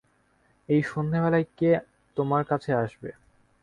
এই সন্ধেবেলায় কে তোমার কাছে আসবে?